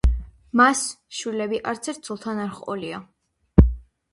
მას შვილები არცერთ ცოლთან არ ჰყოლია.